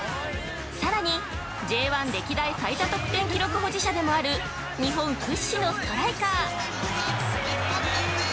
さらに、Ｊ１歴代最多得点記録保持者でもある日本屈指のストライカー。